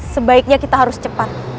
sebaiknya kita harus cepat